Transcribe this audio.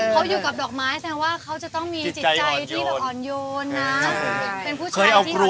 เขาอยู่กับดอกไม้แสนว่าเขาจะไม่ต้องมีจิตใจที่อ่อนโยนนะ